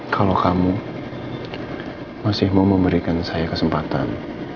kalau kamu masih mau memberikan saya kesempatan